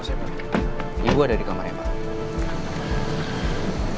ini gue ada di kamarnya pak